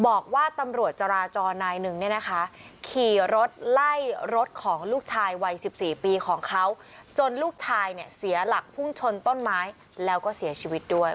บอกว่าตำรวจจราจรนายหนึ่งเนี่ยนะคะขี่รถไล่รถของลูกชายวัย๑๔ปีของเขาจนลูกชายเนี่ยเสียหลักพุ่งชนต้นไม้แล้วก็เสียชีวิตด้วย